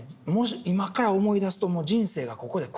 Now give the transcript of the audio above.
今から思い出すともう人生がここで狂ったというか。